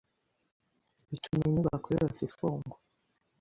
bituma inyubako yose ifungwa,